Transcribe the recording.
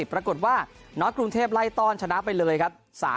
ปรากฏว่าน็อตกรุงเทพไล่ต้อนชนะไปเลยครับ